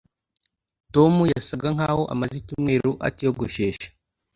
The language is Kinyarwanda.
Tom yasaga nkaho amaze icyumweru atiyogoshesha